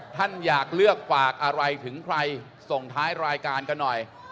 ท่านอยากเลือกฝากอะไรถึงใครส่งท้ายรายการกันหน่อย